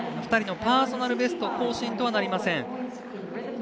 ２人のパーソナルベスト更新とはなりません。